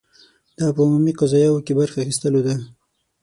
دا په عمومي قضایاوو کې برخې اخیستلو ده.